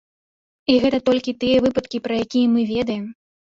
І гэта толькі тыя выпадкі, пра якія мы ведаем.